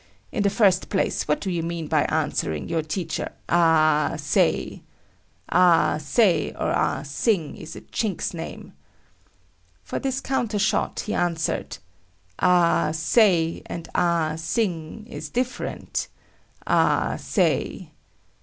In the first place, what do you mean by answering your teacher 'A ah say'? Ah Say or Ah Sing is a Chink's name!" For this counter shot, he answered: "A ah say and Ah Sing is different,—A ah say."